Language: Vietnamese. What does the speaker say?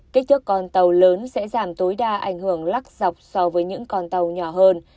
kích thước con tàu lớn sẽ giảm tối đa ảnh hưởng lắc dọc so với những con tàu nhỏ hơn